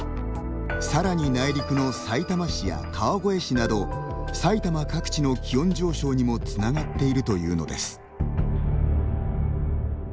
さらに内陸のさいたま市や川越市など埼玉各地の気温上昇にもつながっているというのです。